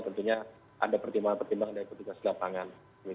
tentunya ada pertimbangan pertimbangan dari petugas lapangan